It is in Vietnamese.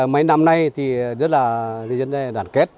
mấy năm nay thì rất là đàn kết